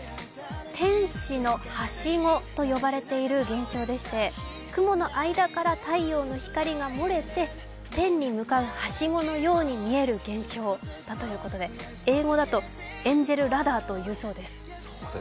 天使のはしごと呼ばれている現象でして、雲の間から太陽の光が漏れて、天に向かうはしごのように見える現象、英語だとエンジェルラダーと言うそうです。